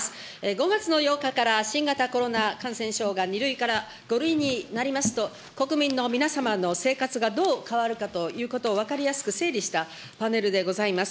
５月の８日から新型コロナ感染症が２類から５類になりますと、国民の皆様の生活がどう変わるかということを分かりやすく整理したパネルでございます。